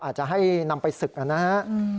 อาจจะให้นำไปศึกนะฮะ